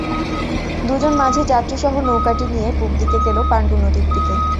দুজন মাঝি যাত্রীসহ নৌকাটি নিয়ে পুব দিকে গেল পাণ্ডু নদীর দিকে।